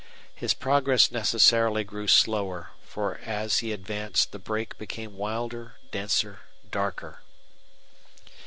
His progress necessarily grew slower, for as he advanced the brake became wilder, denser, darker.